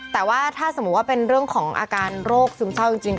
แต่ว่าถ้าสมมุติว่าเป็นเรื่องของอาการโรคซึมเศร้าจริง